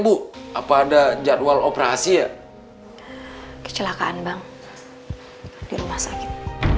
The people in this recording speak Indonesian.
kecelakaan bang di rumah sakit